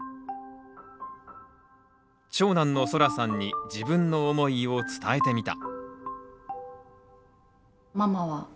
長男のソラさんに自分の思いを伝えてみた。